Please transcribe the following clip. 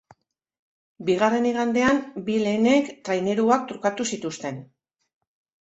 Bigarren igandean bi lehenek traineruak trukatu zituzten